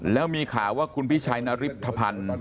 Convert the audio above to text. แล้วมีข่าวว่าคุณพีชัยนะริปทธรรพันธุ์